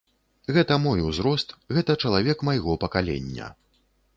Гэта мой узрост, гэта чалавек майго пакалення.